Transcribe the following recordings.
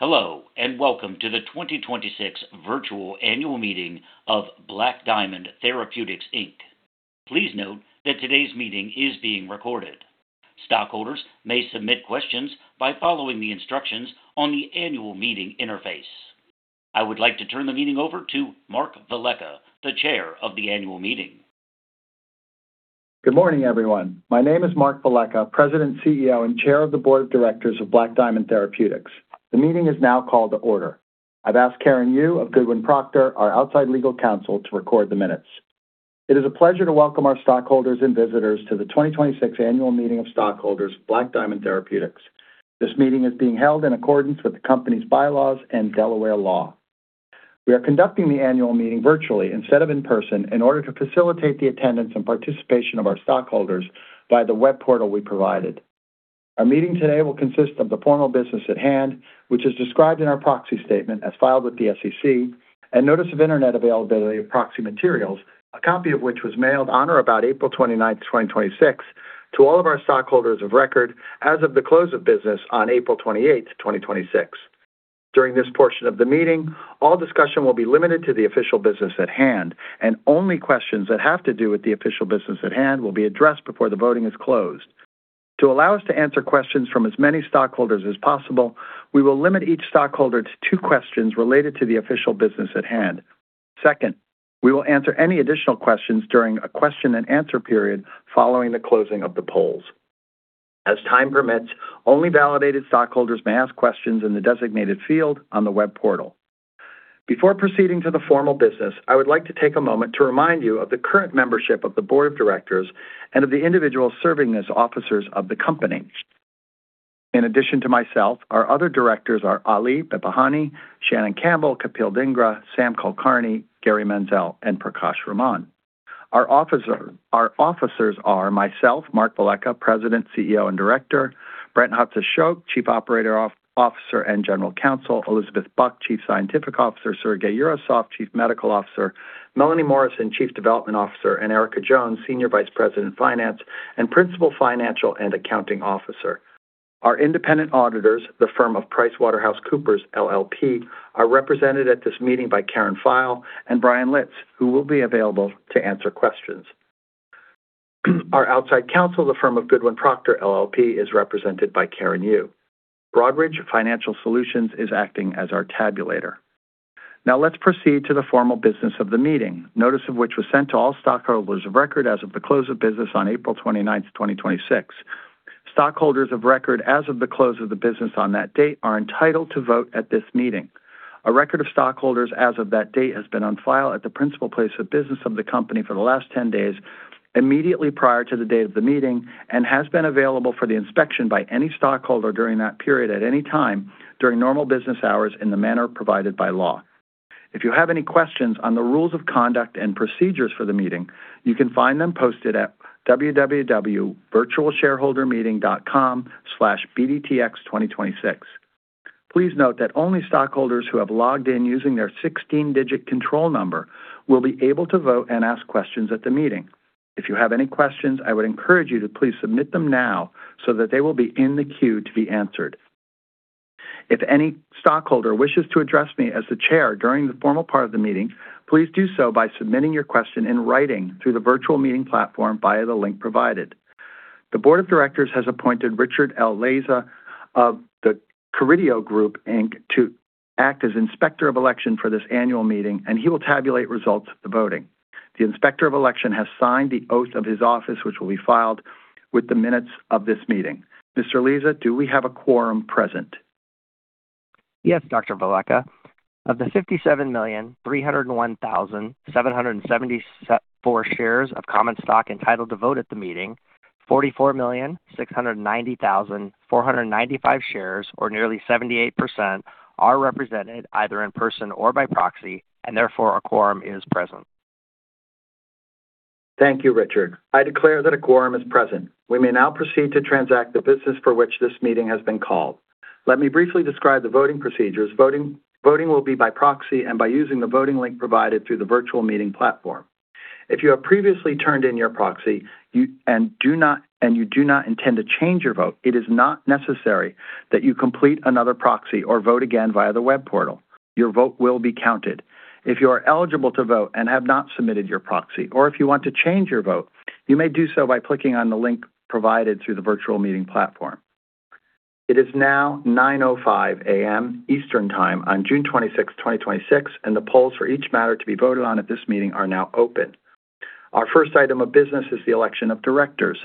Hello, welcome to the 2026 virtual annual meeting of Black Diamond Therapeutics, Inc. Please note that today's meeting is being recorded. Stockholders may submit questions by following the instructions on the annual meeting interface. I would like to turn the meeting over to Mark Velleca, the chair of the annual meeting. Good morning, everyone. My name is Mark Velleca, President, CEO, and Chair of the Board of Directors of Black Diamond Therapeutics. The meeting is now called to order. I've asked Karin Yoo of Goodwin Procter, our outside legal counsel, to record the minutes. It is a pleasure to welcome our stockholders and visitors to the 2026 Annual Meeting of Stockholders, Black Diamond Therapeutics. This meeting is being held in accordance with the company's bylaws and Delaware law. We are conducting the annual meeting virtually instead of in person, in order to facilitate the attendance and participation of our stockholders via the web portal we provided. Our meeting today will consist of the formal business at hand, which is described in our proxy statement as filed with the SEC and notice of Internet availability of proxy materials, a copy of which was mailed on or about April 29th, 2026, to all of our stockholders of record as of the close of business on April 28th, 2026. During this portion of the meeting, all discussion will be limited to the official business at hand, and only questions that have to do with the official business at hand will be addressed before the voting is closed. To allow us to answer questions from as many stockholders as possible, we will limit each stockholder to two questions related to the official business at hand. Second, we will answer any additional questions during a question and answer period following the closing of the polls. As time permits, only validated stockholders may ask questions in the designated field on the web portal. Before proceeding to the formal business, I would like to take a moment to remind you of the current membership of the Board of Directors and of the individuals serving as officers of the company. In addition to myself, our other Directors are Ali Behbahani, Shannon Campbell, Kapil Dhingra, Sam Kulkarni, Garry Menzel, and Prakash Raman. Our officers are myself, Mark Velleca, President, CEO, and Director, Brent Hatzis-Schoch, Chief Operating Officer and General Counsel, Elizabeth Buck, Chief Scientific Officer, Sergey Yurasov, Chief Medical Officer, Melanie Morrison, Chief Development Officer, and Erika Jones, Senior Vice President, Finance and Principal Financial and Accounting Officer. Our independent auditors, the firm of PricewaterhouseCoopers LLP, are represented at this meeting by Karen Pfeil and Brian Litz, who will be available to answer questions. Our outside counsel, the firm of Goodwin Procter LLP, is represented by Karin Yoo. Broadridge Financial Solutions is acting as our tabulator. Let's proceed to the formal business of the meeting, notice of which was sent to all stockholders of record as of the close of business on April 29th, 2026. Stockholders of record as of the close of the business on that date are entitled to vote at this meeting. A record of stockholders as of that date has been on file at the principal place of business of the company for the last 10 days immediately prior to the date of the meeting and has been available for the inspection by any stockholder during that period at any time during normal business hours in the manner provided by law. If you have any questions on the rules of conduct and procedures for the meeting, you can find them posted at www.virtualshareholdermeeting.com/bdtx2026. Please note that only stockholders who have logged in using their 16-digit control number will be able to vote and ask questions at the meeting. If you have any questions, I would encourage you to please submit them now so that they will be in the queue to be answered. If any stockholder wishes to address me as the chair during the formal part of the meeting, please do so by submitting your question in writing through the virtual meeting platform via the link provided. The board of directors has appointed Richard L. Leza of The Carideo Group, Inc. to act as Inspector of Election for this annual meeting, and he will tabulate results of the voting. The Inspector of Election has signed the oath of his office, which will be filed with the minutes of this meeting. Mr. Leza, do we have a quorum present? Yes, Dr. Velleca. Of the 57,301,774 shares of common stock entitled to vote at the meeting, 44,690,495 shares or nearly 78%, are represented either in person or by proxy, and therefore a quorum is present. Thank you, Richard. I declare that a quorum is present. We may now proceed to transact the business for which this meeting has been called. Let me briefly describe the voting procedures. Voting will be by proxy and by using the voting link provided through the virtual meeting platform. If you have previously turned in your proxy and you do not intend to change your vote, it is not necessary that you complete another proxy or vote again via the web portal. Your vote will be counted. If you are eligible to vote and have not submitted your proxy, or if you want to change your vote, you may do so by clicking on the link provided through the virtual meeting platform. It is now 9:05 A.M. Eastern Time on June 26th, 2026, and the polls for each matter to be voted on at this meeting are now open. Our first item of business is the election of directors.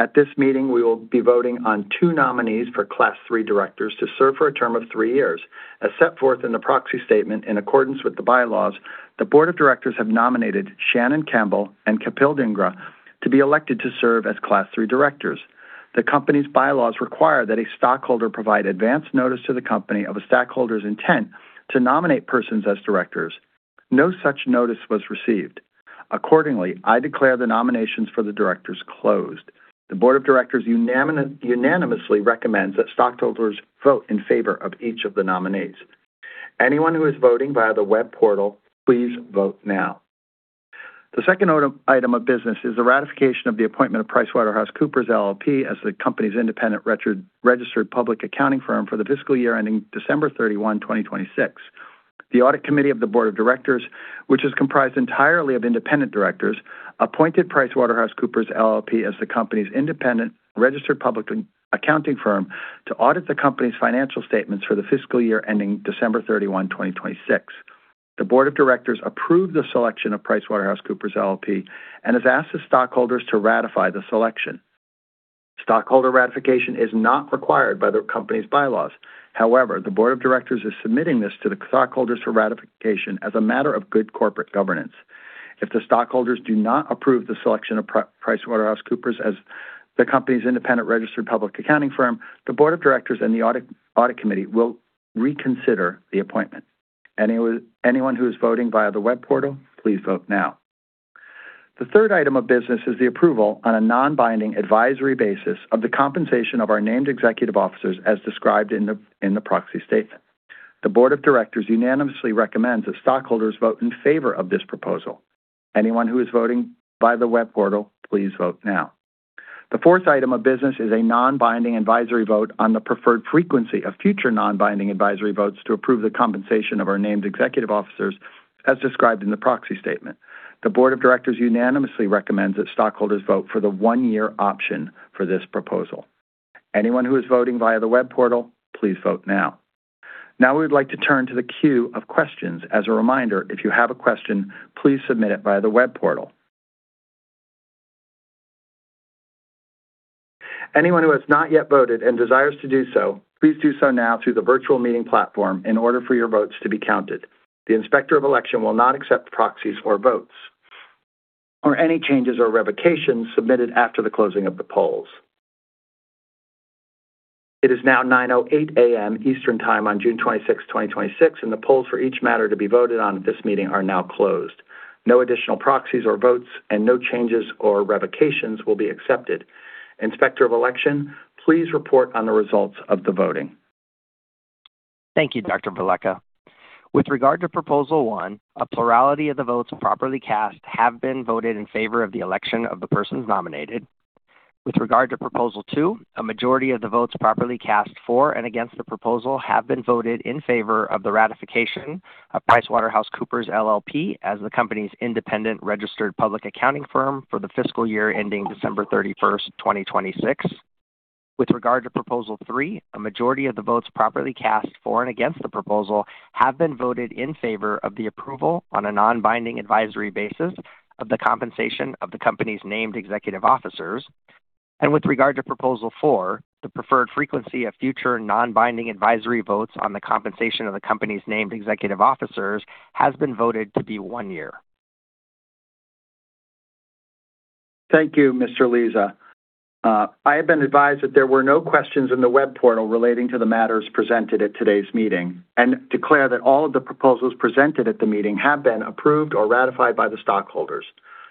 At this meeting, we will be voting on two nominees for Class III directors to serve for a term of three years. As set forth in the proxy statement in accordance with the bylaws, the board of directors have nominated Shannon Campbell and Kapil Dhingra to be elected to serve as Class III directors. The company's bylaws require that a stockholder provide advance notice to the company of a stockholder's intent to nominate persons as directors. No such notice was received. Accordingly, I declare the nominations for the directors closed. The board of directors unanimously recommends that stockholders vote in favor of each of the nominees. Anyone who is voting via the web portal, please vote now. The second item of business is the ratification of the appointment of PricewaterhouseCoopers LLP as the company's independent registered public accounting firm for the fiscal year ending December 31, 2026. The audit committee of the board of directors, which is comprised entirely of independent directors, appointed PricewaterhouseCoopers LLP as the company's independent registered public accounting firm to audit the company's financial statements for the fiscal year ending December 31, 2026. The board of directors approved the selection of PricewaterhouseCoopers LLP and has asked the stockholders to ratify the selection. Stockholder ratification is not required by the company's bylaws. However, the board of directors is submitting this to the stockholders for ratification as a matter of good corporate governance. If the stockholders do not approve the selection of PricewaterhouseCoopers as the company's independent registered public accounting firm, the board of directors and the audit committee will reconsider the appointment. Anyone who is voting via the web portal, please vote now. The third item of business is the approval on a non-binding advisory basis of the compensation of our named executive officers as described in the proxy statement. The board of directors unanimously recommends that stockholders vote in favor of this proposal. Anyone who is voting by the web portal, please vote now. The fourth item of business is a non-binding advisory vote on the preferred frequency of future non-binding advisory votes to approve the compensation of our named executive officers as described in the proxy statement. The board of directors unanimously recommends that stockholders vote for the one-year option for this proposal. Anyone who is voting via the web portal, please vote now. We would like to turn to the queue of questions. As a reminder, if you have a question, please submit it via the web portal. Anyone who has not yet voted and desires to do so, please do so now through the virtual meeting platform in order for your votes to be counted. The inspector of election will not accept proxies or votes or any changes or revocations submitted after the closing of the polls. It is now 9:08 A.M. Eastern Time on June 26, 2026, and the polls for each matter to be voted on at this meeting are now closed. No additional proxies or votes and no changes or revocations will be accepted. Inspector of election, please report on the results of the voting. Thank you, Dr. Velleca. With regard to proposal one, a plurality of the votes properly cast have been voted in favor of the election of the persons nominated. With regard to proposal two, a majority of the votes properly cast for and against the proposal have been voted in favor of the ratification of PricewaterhouseCoopers LLP as the company's independent registered public accounting firm for the fiscal year ending December 31st, 2026. With regard to proposal three, a majority of the votes properly cast for and against the proposal have been voted in favor of the approval on a non-binding advisory basis of the compensation of the company's named executive officers. With regard to proposal four, the preferred frequency of future non-binding advisory votes on the compensation of the company's named executive officers has been voted to be one year. Thank you, Mr. Leza. I have been advised that there were no questions in the web portal relating to the matters presented at today's meeting and declare that all of the proposals presented at the meeting have been approved or ratified by the stockholders.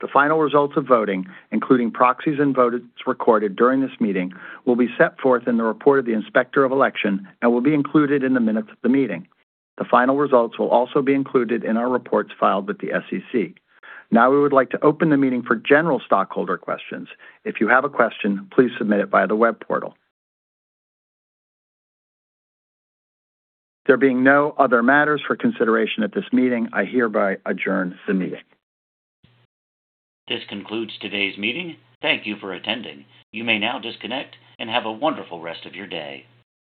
The final results of voting, including proxies and votes recorded during this meeting, will be set forth in the report of the inspector of election and will be included in the minutes of the meeting. The final results will also be included in our reports filed with the SEC. Now we would like to open the meeting for general stockholder questions. If you have a question, please submit it via the web portal. There being no other matters for consideration at this meeting, I hereby adjourn the meeting. This concludes today's meeting. Thank you for attending. You may now disconnect and have a wonderful rest of your day.